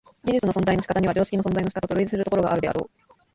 技術の存在の仕方には常識の存在の仕方と類似するところがあるであろう。